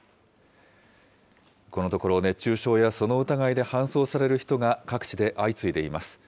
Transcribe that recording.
このところ熱中症やその疑いで搬送される人が各地で相次いでいます。